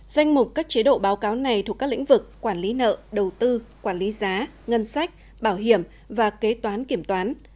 danh mục các chế độ báo cáo này thuộc các lĩnh vực quản lý nợ đầu tư quản lý giá ngân sách bảo hiểm và kế toán kiểm toán